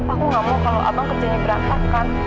aku gak mau kalau abang kerjanya berantakan